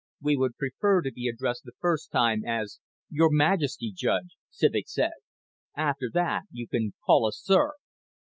"We would prefer to be addressed the first time as Your Majesty, Judge," Civek said. "After that you can call us sir."